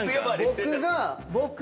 僕が。